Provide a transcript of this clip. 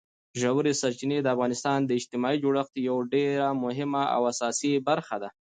ژورې سرچینې د افغانستان د اجتماعي جوړښت یوه ډېره مهمه او اساسي برخه ده.